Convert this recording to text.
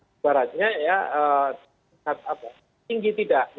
sebaratnya ya tinggi tidak